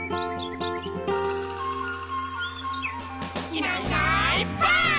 「いないいないばあっ！」